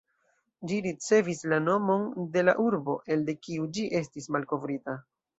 Ĝi ricevis la nomon de la urbo, elde kiu ĝi estis malkovrita.